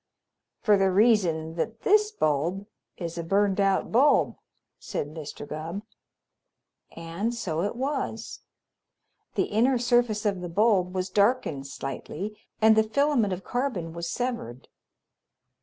"For the reason that this bulb is a burned out bulb," said Mr. Gubb. And so it was. The inner surface of the bulb was darkened slightly, and the filament of carbon was severed.